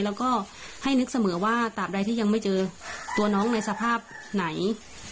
แล้วก็ให้นึกเสมอว่าตามใดที่ยังไม่เจอตัวน้องในสภาพไหน